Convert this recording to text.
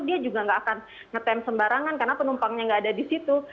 dia juga nggak akan ngetem sembarangan karena penumpangnya nggak ada di situ